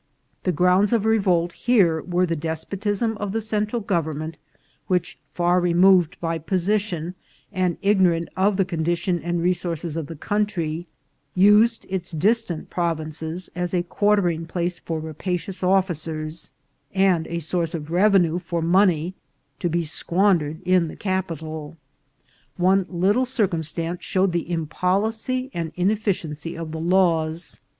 The grounds of revolt here were the despotism of the Central government, which, far removed by position, and ignorant of the condition and resources of the country, used its distant provinces as a quartering place for rapacious officers, and a source of revenue for money to be squandered in the capital. One little circumstance showed the impolicy and ineffi ciency of the laws.